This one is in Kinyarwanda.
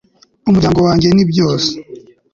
umuryango wanjye ni byose